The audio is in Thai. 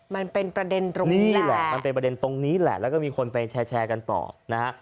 มันเป็นประเด็นตรงนี้นี่แหละมันเป็นประเด็นตรงนี้แหละแล้วก็มีคนไปแชร์กันต่อนะฮะ